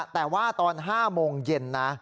แต่ว่าตอน๕โมงเย็นนะ